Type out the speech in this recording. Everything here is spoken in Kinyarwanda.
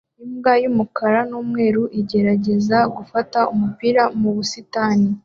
Imbwa y'umukara n'umweru igerageza gufata umupira mu busitani